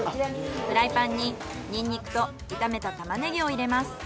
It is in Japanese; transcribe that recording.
フライパンにニンニクと炒めたタマネギを入れます。